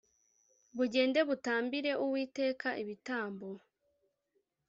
bugende butambire Uwiteka ibitambo